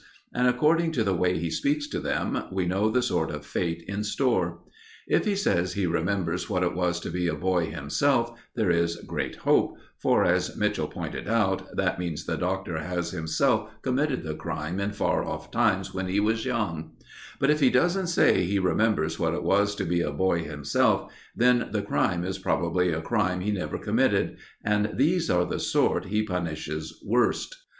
And according to the way he speaks to them, we know the sort of fate in store. If he says he remembers what it was to be a boy himself, there is great hope, for, as Mitchell pointed out, that means the Doctor has himself committed the crime in far off times when he was young; but if he doesn't say he remembers what it was to be a boy himself, then the crime is probably a crime he never committed; and these are the sort he punishes worst.